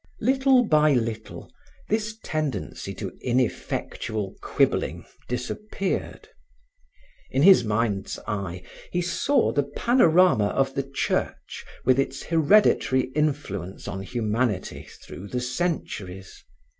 Little by little this tendency to ineffectual quibbling disappeared. In his mind's eye he saw the panorama of the Church with its hereditary influence on humanity through the centuries.